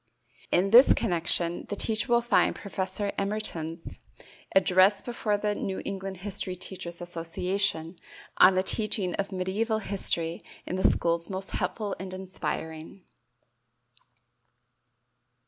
In this connection the teacher will find Professor Emerton's address before the New England History Teachers' Association on the Teaching of Mediæval History in the Schools most helpful and inspiring.